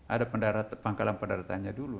ada pangkalan penderatannya dulu